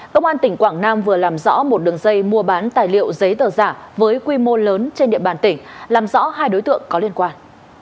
công an tỉnh quảng nam vừa làm rõ một đường dây mua bán tài liệu giấy tờ giả với quy mô lớn trên địa bàn tỉnh làm rõ hai đối tượng có liên quan